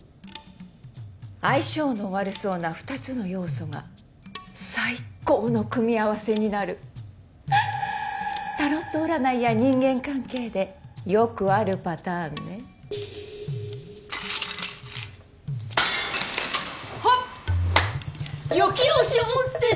相性の悪そうな二つの要素が最高の組み合わせになるタロット占いや人間関係でよくあるパターンねほっ！